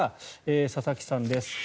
佐々木さんです